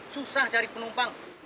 susah cari penumpang